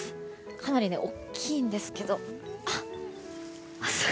かなり大きいんですけど。